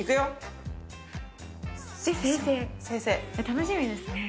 楽しみですね。